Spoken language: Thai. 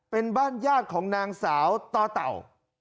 เป็นบ้านญาติของนางสาวต่อเต่า